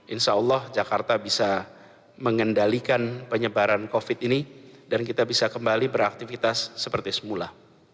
insyaallah jakarta bisa mengendalikan penyebaran covid sembilan belas ini dan kita bisa kembali beraktivitas seperti semula